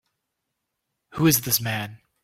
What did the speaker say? Who is this man?